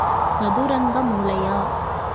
சதுரங்க மூளையா?